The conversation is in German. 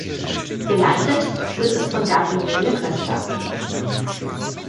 Geleitet wird es von Gabriele Köster.